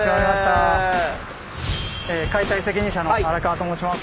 解体責任者の荒川と申します。